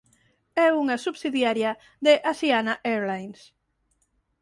É unha subsidiaria de Asiana Airlines.